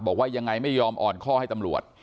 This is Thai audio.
บอกว่ายังไงไม่ยอมอ่อนข้อให้ตำรวจ